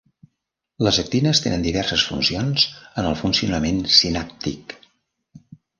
Les actines tenen diverses funcions en el funcionament sinàptic.